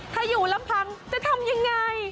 ถ้าอยู่ลำพังจะทำยังไง